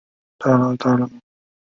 八百屋于七事件而闻名。